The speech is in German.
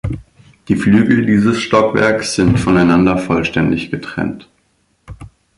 Die Flügel dieses Stockwerks sind voneinander vollständig getrennt.